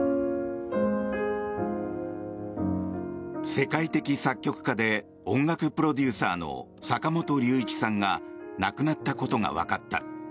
世界的作曲家で音楽プロデューサーの坂本龍一さんが亡くなったことがわかった。